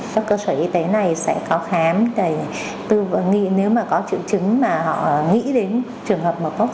các cơ sở y tế này sẽ có khám nếu có chữ chứng mà họ nghĩ đến trường hợp mật mốc